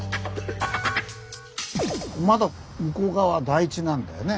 まだ向こう側は台地なんだよね。